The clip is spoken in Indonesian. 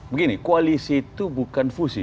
begini koalisi itu bukan fusi